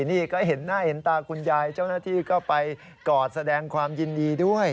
นี่ก็เห็นหน้าเห็นตาคุณยายเจ้าหน้าที่ก็ไปกอดแสดงความยินดีด้วย